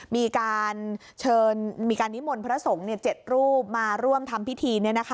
มีการเชิญมีการนิมนต์พระสงฆ์๗รูปมาร่วมทำพิธี